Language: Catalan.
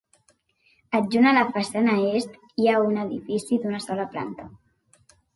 Adjunt a la façana est, hi ha un edifici d'una sola planta.